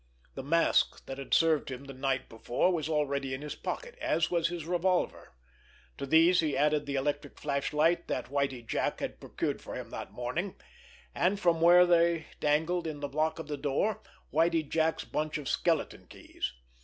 The mask that had served him the night before was already in his pocket, as was his revolver. To these he added the electric flashlight that Whitie Jack had procured for him that morning, and, from where they dangled in the lock of the door, Whitie Jack's bunch of skeleton keys.